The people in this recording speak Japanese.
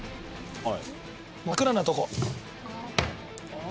はい！